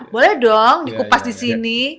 boleh dong dikupas di sini